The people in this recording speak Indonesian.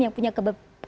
yang punya keberpihakan